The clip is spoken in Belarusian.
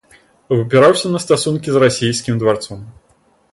Абапіраўся на стасункі з расійскім дваром.